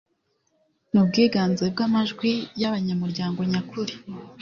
n ubwiganze bw amajwi y abanyamuryango nyakuri